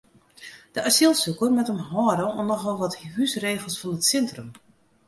De asylsiker moat him hâlde oan nochal wat húsregels fan it sintrum.